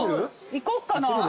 いこっかな。